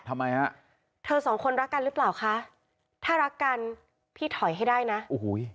ทำไมฮะเธอสองคนรักกันหรือเปล่าคะถ้ารักกันพี่ถอยให้ได้นะโอ้โห